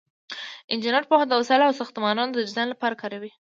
انجینر پوهه د وسایلو او ساختمانونو د ډیزاین لپاره کاروي.